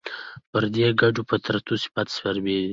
پر دې ګډو فطري صفتونو سربېره